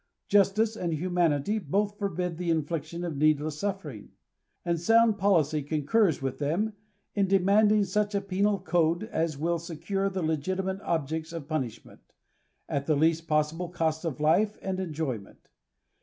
Justice and humanity both forbid the i infliction of needless suffering; and sound policy concurs with i them in demanding such a penal code as will secure the legiti | mate objects of punishment, at the least possible cost of life and enjoyment.